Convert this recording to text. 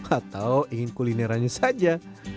atau ingin kulineranya saja